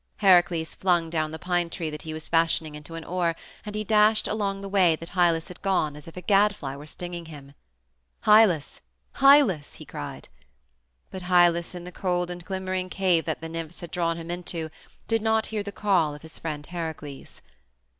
Heracles flung down the pine tree that he was fashioning into an oar, and he dashed along the way that Hylas had gone as if a gadfly were stinging him. "Hylas, Hylas," he cried. But Hylas, in the cold and glimmering cave that the nymphs had drawn him into, did not hear the call of his friend Heracles.